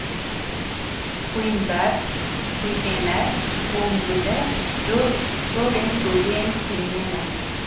Xwînber, xwînhêner û mûlûle corên lûleyên xwînê ne.